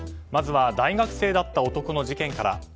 まずは大学生だった男の事件から。